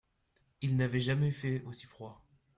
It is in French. Il n’avait jamais fait aussi froid.